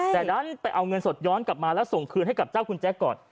แต่ดันไปเอาเงินสดย้อนกลับมาแล้วส่งคืนให้กับเจ้าคุณแจ๊คก่อน